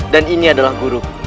dan ini adalah guru